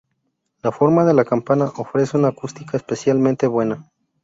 La forma de la campana ofrece una acústica especialmente buena.